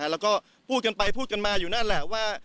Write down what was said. แล้วก็พูดกันไปพูดกันมาอยู่นั่นแหละว่า